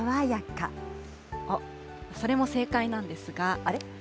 あっ、それも正解なんですが。